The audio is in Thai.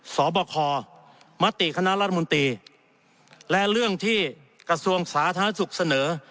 สบคมครมและเรื่องที่กระทรวงสาธารณสุขเสนอ